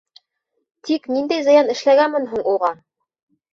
Тик ниндәй зыян эшләгәнмен һуң уға?